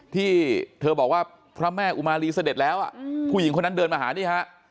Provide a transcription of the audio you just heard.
ที่เธอบอกว่าพระแม่อุมารีเสด็จแล้วผู้หญิงคนนั้นเดินมาหานี่ฮะ